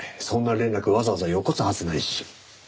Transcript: そんな連絡わざわざよこすはずないし。